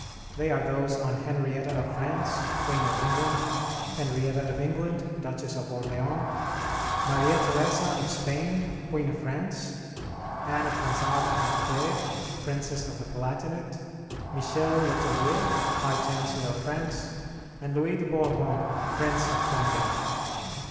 They are those on Henrietta of France, Queen of England; Henrietta of England, Duchess of Orleans; Maria Theresa of Spain, Queen of France; Anne of Gonzaga and Clèves, Princess of the Palatinate; Michel Le Tellier, High Chancellor of France; and Louis de Bourbon, Prince of Condé.